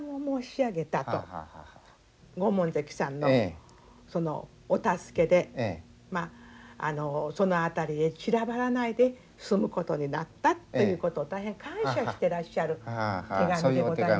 ご門跡さんのそのお助けでその辺りへ散らばらないで済むことになったっていうことを大変感謝してらっしゃる手紙でございますね。